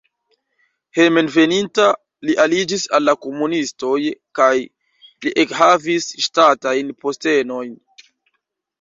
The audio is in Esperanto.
Hejmenveninta li aliĝis al la komunistoj kaj li ekhavis ŝtatajn postenojn.